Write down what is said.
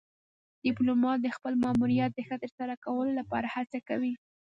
ډيپلومات د خپل ماموریت د ښه ترسره کولو لپاره هڅه کوي.